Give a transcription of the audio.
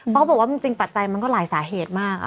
เพราะเขาบอกว่าจริงปัจจัยมันก็หลายสาเหตุมาก